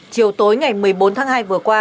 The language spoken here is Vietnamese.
chiều tối ngày một mươi bốn tháng hai vừa qua